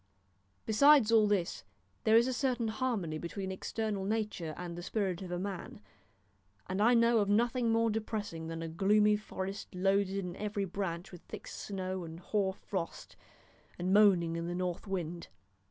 Besides all this, there is a certain harmony between external nature and the spirit of a man, and I know of nothing more depressing than a gloomy forest loaded in every branch with thick snow and hoar frost, and moaning in the north wind.